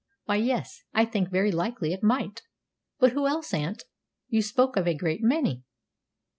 "Why, yes, I think very likely it might; but who else, aunt? You spoke of a great many."